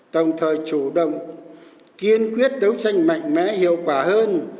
đồng thời chủ động kiên quyết đấu tranh mạnh mẽ hiệu quả hơn